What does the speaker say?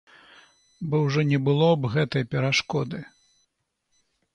Бо ўжо не было б гэтай перашкоды.